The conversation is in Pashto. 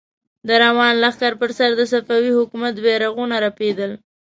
د روان لښکر پر سر د صفوي حکومت بيرغونه رپېدل.